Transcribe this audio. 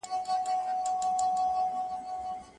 که اړتیا نه وي، مستري به په اوږه باندي ګڼ توکي ونه راوړي.